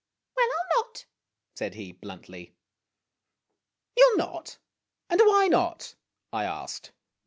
"Well, I '11 not!" said he, bluntly. "You '11 not? and why not?" I asked.